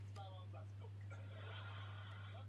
Ve zprávě je této záležitosti věnováno hned několik odstavců.